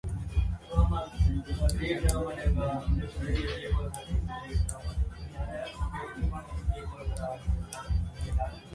Other amenities include the Cuthbert Amphitheater, a venue for outdoor musical and drama performances.